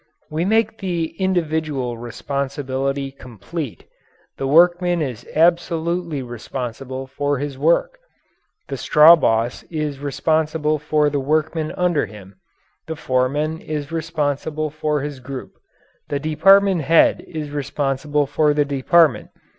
We make the individual responsibility complete. The workman is absolutely responsible for his work. The straw boss is responsible for the workmen under him. The foreman is responsible for his group. The department head is responsible for the department.